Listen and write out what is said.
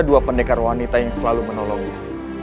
dua pendekar wanita yang selalu menolongnya